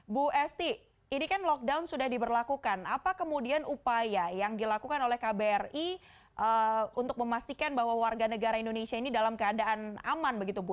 bu esti ini kan lockdown sudah diberlakukan apa kemudian upaya yang dilakukan oleh kbri untuk memastikan bahwa warga negara indonesia ini dalam keadaan aman begitu bu